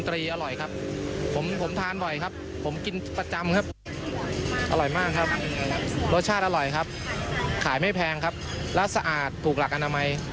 อร่อยมากครับรสชาติอร่อยครับขายไม่แพงครับและสะอาดถูกหลักอนามัย